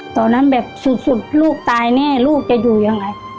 ตอนนั้นแบบสุดลูกตายแน่ลูกจะอยู่ยังไง